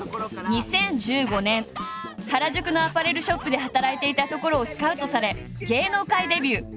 ２０１５年原宿のアパレルショップで働いていたところをスカウトされ芸能界デビュー。